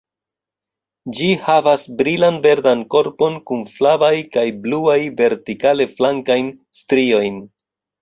Ĝi havas brilan verdan korpon kun flavaj kaj bluaj, vertikale flankajn striojn.